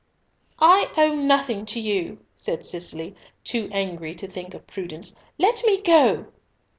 "I owe nothing to you," said Cicely, too angry to think of prudence. "Let me go!"